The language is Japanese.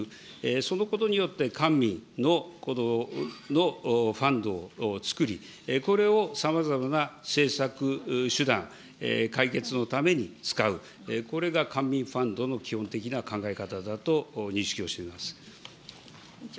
そのことによって官民のファンドを作り、これをさまざまな政策手段、解決のために使う、これが官民ファンドの基本的な考え方だと認識をしております。